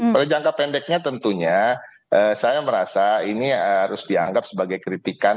pada jangka pendeknya tentunya saya merasa ini harus dianggap sebagai kritikan